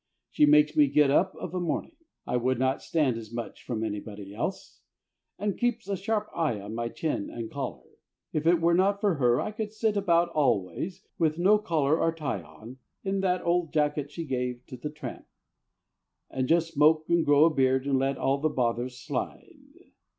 She makes me get up of a morning I would not stand as much from anybody else and keeps a sharp eye on my chin and collar. If it were not for her I could sit about always with no collar or tie on in that old jacket she gave to the tramp, and just smoke and grow a beard and let all the bothers slide.